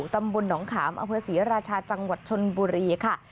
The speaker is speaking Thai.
ตำบลหนองขามอำเภอศรีราชาจังหวัดชนบุรีค่ะ